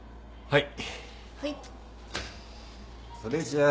はい。